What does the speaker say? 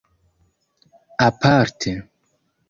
aparte